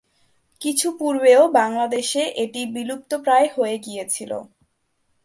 কিছু পূর্বেও বাংলাদেশে এটি বিলুপ্তপ্রায় হয়ে গিয়েছিল।